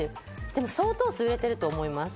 でも相当数、売れてると思います。